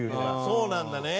そうなんだね。